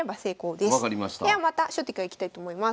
ではまた初手からいきたいと思います。